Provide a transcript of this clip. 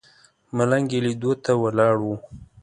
ملنګ یې لیدو ته ولاړ و.